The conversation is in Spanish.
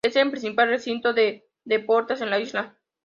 Es el principal recinto de deportes en la isla..